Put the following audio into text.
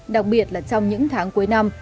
đặc biệt là trong những tháng cuối năm